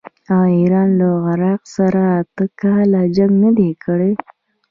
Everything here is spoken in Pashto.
آیا ایران له عراق سره اته کاله جنګ نه دی کړی؟